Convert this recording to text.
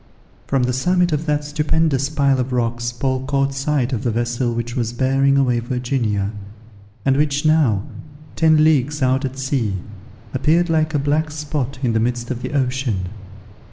From the summit of that stupendous pile of rocks Paul caught sight of the vessel which was bearing away Virginia, and which now, ten leagues out at sea, appeared like a black spot in the midst of the ocean.